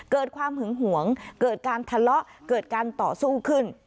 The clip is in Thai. เกิดความหึงหวงเกิดการทะเลาะเกิดการต่อสู้ขึ้น